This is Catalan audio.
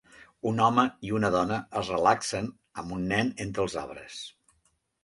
Un home i una dona es relaxen amb un nen entre els arbres.